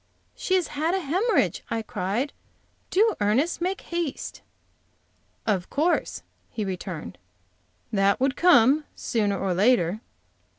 "She has had a hemorrhage!" I cried. "Do, Ernest, make haste." "Of course," he returned, "that would come, sooner or later."